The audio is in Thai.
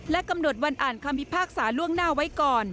กำหนดวันอ่านคำพิพากษาล่วงหน้าไว้ก่อน